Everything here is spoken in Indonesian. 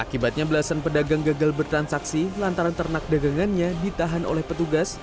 akibatnya belasan pedagang gagal bertransaksi lantaran ternak dagangannya ditahan oleh petugas